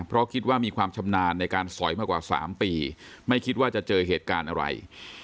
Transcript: เพราะคิดว่ามีความชำนาญในการสอยมากว่า๓ปีไม่คิดว่าจะเจอเหตุการณ์อะไร